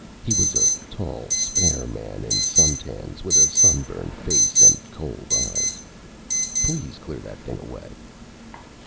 He was a tall, spare man in suntans, with a sunburned face and cold eyes. "Please clear that thing away."